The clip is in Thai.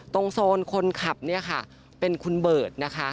โซนคนขับเนี่ยค่ะเป็นคุณเบิร์ตนะคะ